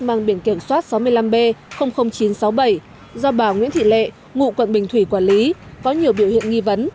mang biển kiểm soát sáu mươi năm b chín trăm sáu mươi bảy do bà nguyễn thị lệ ngụ quận bình thủy quản lý có nhiều biểu hiện nghi vấn